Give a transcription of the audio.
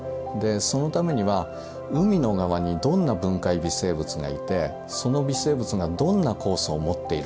そのためには海の側にどんな分解微生物がいてその微生物がどんな酵素を持っているか。